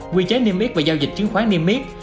quy chế niêm yết về giao dịch chứng khoán niêm yết